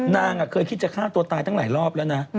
นางเคยคิดจะฆ่าตัวตายตั้งหลายรอบแล้วนะ